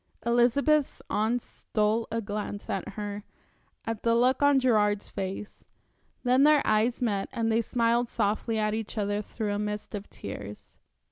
Elizabeth's aunts stole a glance at her, at the look on Gerard's face. Then their eyes met and they smiled softly at each other through a mist of tears.